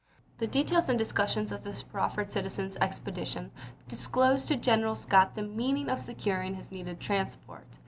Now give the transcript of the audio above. The details and discussions of this proffered citizens' expedition disclosed to General Scott the means of securing his needed transport.